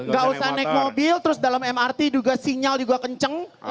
gak usah naik mobil terus dalam mrt juga sinyal juga kenceng